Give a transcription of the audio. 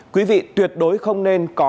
quý vị tuyệt đối không nên có